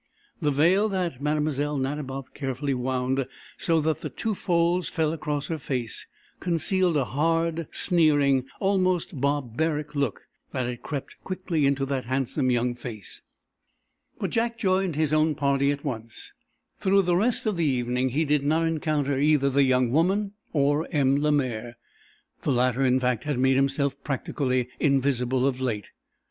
The veil that Mlle. Nadiboff carefully wound so that two folds fell across her face concealed a hard, sneering, almost barbaric look that had crept quickly into that handsome young face. But Jack joined his own party at once. Through the rest of the evening he did not encounter either the young woman or M. Lemaire. The latter, in fact, had made himself practically invisible of late.